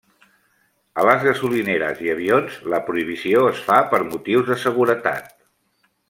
A les gasolineres i avions, la prohibició es fa per motius de seguretat.